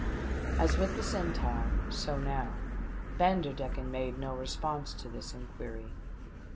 As with the Centaur, so now, Vander decken made no reponse to this inquiry.